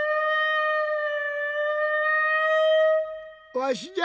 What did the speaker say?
わしじゃ！